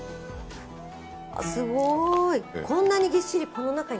すごい。